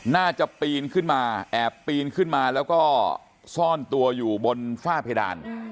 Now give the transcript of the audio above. ปีนขึ้นมาแอบปีนขึ้นมาแล้วก็ซ่อนตัวอยู่บนฝ้าเพดาน